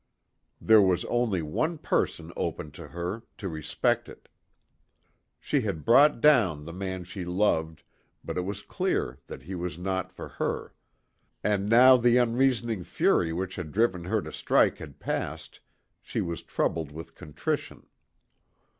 There was only one course open to her to respect it. She had brought down the man she loved, but it was clear that he was not for her, and now the unreasoning fury which had driven her to strike had passed, she was troubled with contrition.